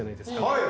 はい。